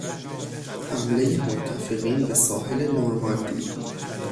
حملهی متفقین به ساحل نرماندی